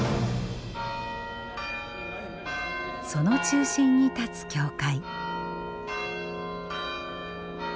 その中心に立つ教会。